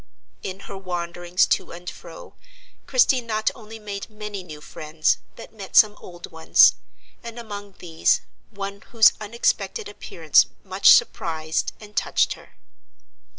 In her wanderings to and fro, Christie not only made many new friends, but met some old ones; and among these one whose unexpected appearance much surprised and touched her.